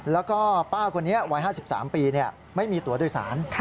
แล้วก็ป้าคนนี้วัย๕๓ปีไม่มีตัวโดยสาร